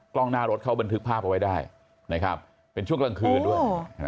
กล้องหน้ารถเขาบันทึกภาพเอาไว้ได้นะครับเป็นช่วงกลางคืนด้วย